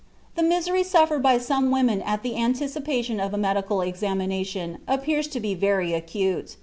The misery suffered by some women at the anticipation of a medical examination, appears to be very acute.